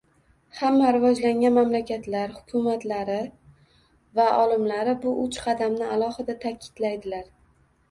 Hamma rivojlangan mamlakatlar hukumatlari va olimlari bu uch qadamni alohida ta'kidlaydilar